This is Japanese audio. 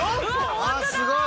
あっすごい！